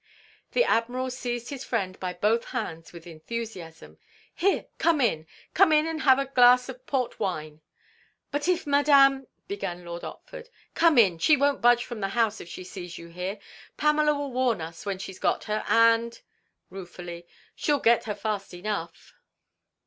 The Admiral seized his friend by both hands with enthusiasm. "Here! Come in! Come in and have a glass of port wine!" "But if Madame—" began Lord Otford. "Come in! She won't budge from the house if she sees you here. Pamela will warn us, when she's got her, and," ruefully, "she'll get her, fast enough."